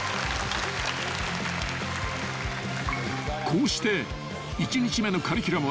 ［こうして］